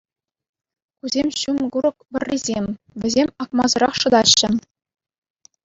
Кусем ҫум курӑк вӑррисем, вӗсем акмасӑрах шӑтаҫҫӗ.